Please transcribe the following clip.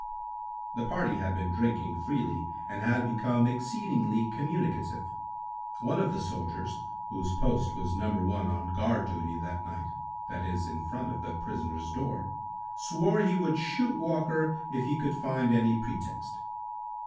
The party had been drinking freely, and had become exceedingly communicative. One of the soldiers, whose post was No. 1 on guard duty that night—that is, in front of the prisoner's door—swore he would shoot Walker if he could find any pretext.